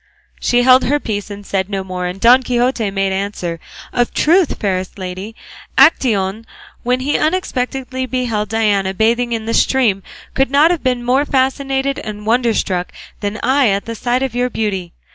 She held her peace and said no more, and Don Quixote made answer, "Of a truth, fairest lady, Actaeon when he unexpectedly beheld Diana bathing in the stream could not have been more fascinated and wonderstruck than I at the sight of your beauty.